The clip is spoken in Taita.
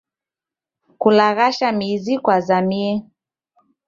Kulaghasha mizi kwazamie.